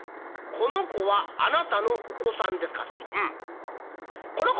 『この子はあなたのお子さんですか？